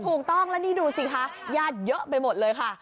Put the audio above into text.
ถูกต้องแล้วนี่ดูสิคะญาติเยอะไปหมดเลยค่ะ